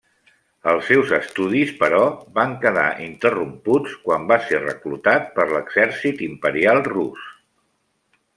Els seus estudis, però, van quedar interromputs quan va ser reclutat per l'Exèrcit Imperial Rus.